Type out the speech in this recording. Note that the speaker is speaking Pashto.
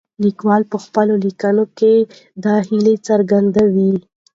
لیکوال په خپلو لیکنو کې دا هیله څرګندوي.